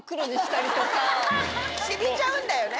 染みちゃうんだよね。